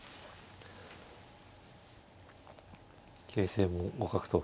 形勢も互角と。